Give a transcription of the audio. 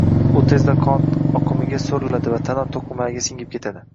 Ular tezda qon oqimiga so'riladi va tana to'qimalariga singib ketadi